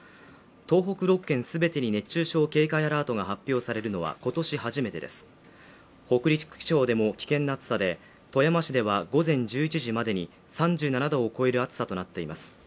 東北６県すべてに熱中症警戒アラートが発表されるのは今年初めてです北陸地方でも危険な暑さで富山市では午前１１時までに３７度を超える暑さとなっています